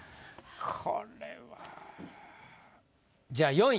これはじゃあ４位。